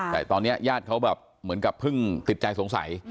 แต่ตอนนี้ญาติเขาแบบเหมือนกับเพิ่งติดใจสงสัย